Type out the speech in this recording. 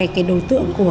cái đối tượng của